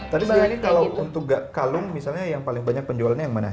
tadi bagian ini kalau untuk kalung misalnya yang paling banyak penjualannya yang mana